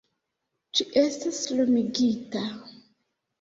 - Ĝi estas lumigita...